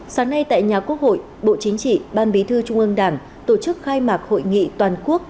sáng nay tại nhà quốc hội bộ chính trị ban bí thư trung ương đảng tổ chức khai mạc hội nghị toàn quốc